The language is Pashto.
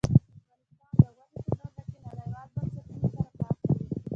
افغانستان د غوښې په برخه کې نړیوالو بنسټونو سره کار کوي.